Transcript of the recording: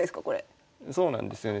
そうなんですよね。